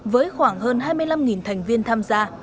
với khoảng hơn hai mươi năm thành viên tham gia